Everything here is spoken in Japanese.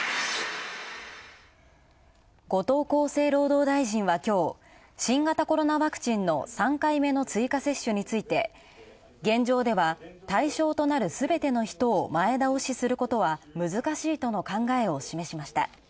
後藤厚生労働大臣はきょう、新型コロナワクチンの３回目の追加接種について現状では、対象となるすべての人を前倒しすることは難しいと考えを示しました。